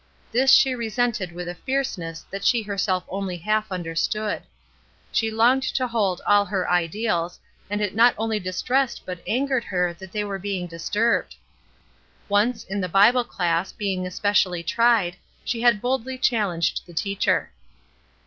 This she resented with a fierceness that she herself only MODELS 111 half understood. She longed to hold to all her ideals, and it not only distressed but angered her that they were being disturbed. Once, in the Bible class, being especially tried, she had boldly challenged the teacher.